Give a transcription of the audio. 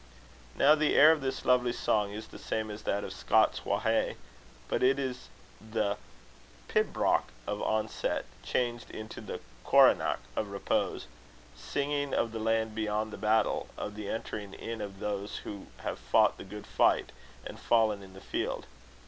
Now the air of this lovely song is the same as that of Scots wha hae; but it is the pibroch of onset changed into the coronach of repose, singing of the land beyond the battle, of the entering in of those who have fought the good fight, and fallen in the field.